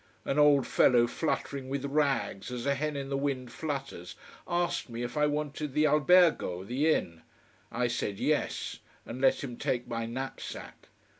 An old fellow fluttering with rags as a hen in the wind flutters, asked me if I wanted the Albergo, the inn. I said yes, and let him take my knapsack.